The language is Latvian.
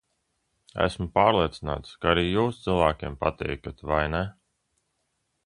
Esmu pārliecināts, ka arī jūs cilvēkiem patīkat, vai ne?